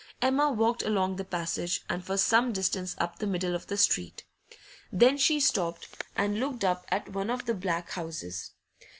Emma walked along the passage, and for some distance up the middle of the street. Then she stopped and looked up at one of the black houses.